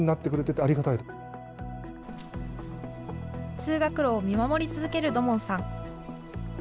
通学路を見守り続ける土門さん。